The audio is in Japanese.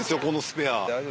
このスペア。